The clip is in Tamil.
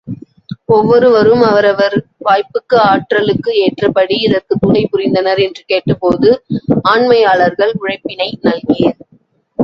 ஒவ்வொருவரும் அவரவர் வாய்ப்புக்கு, ஆற்றலுக்கு ஏற்றபடி இதற்குத் துணை புரிந்தனர் என்று கேட்டபோது, ஆண்மையாளர்கள் உழைப்பினை நல்கீர்!